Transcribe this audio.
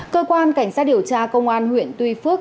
cơ quan cảnh sát điều tra công an huyện tuy phước